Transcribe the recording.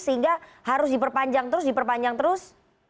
sehingga harus diperpanjang terus diperpanjang terus